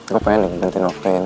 gue pengen ngeberhentiin waktu ini